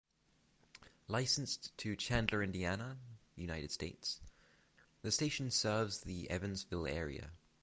Licensed to Chandler, Indiana, United States, the station serves the Evansville area.